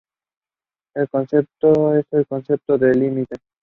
Tal concepto es el concepto de "límite".